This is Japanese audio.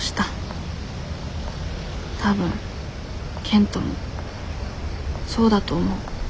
多分賢人もそうだと思う。